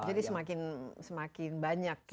jadi semakin banyak ya